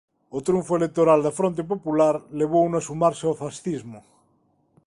O triunfo electoral da Fronte Popular levouno a sumarse ao fascismo.